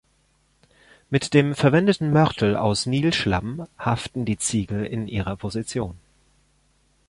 Mit dem verwendeten Mörtel aus Nilschlamm haften die Ziegel in ihrer Position.